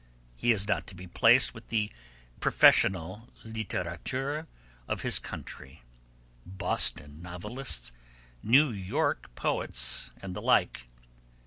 He is not to be placed with the professional litterateurs of his country, Boston novelists, New York poets and the like.